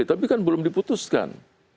tapi kan belum diputuskan